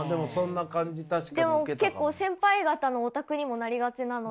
結構先輩方のオタクにもなりがちなので。